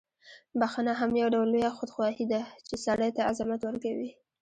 بخښنه هم یو ډول لویه خودخواهي ده، چې سړی ته عظمت ورکوي.